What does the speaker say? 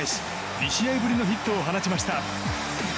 ２試合ぶりのヒットを放ちました。